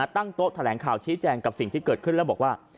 ตั้งโต๊ะแถลงข่าวชี้แจงกับสิ่งที่เกิดขึ้นแล้วบอกว่า